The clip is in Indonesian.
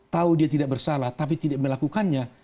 tahu dia tidak bersalah tapi tidak melakukannya